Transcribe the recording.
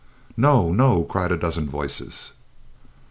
"No! No!" cried a dozen voices.